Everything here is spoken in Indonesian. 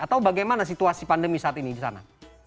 atau bagaimana situasi pandemi saat ini disana